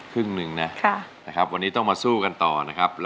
ครึ่งหนึ่งนะครับวันนี้ต้องมาสู้กันต่อนะครับ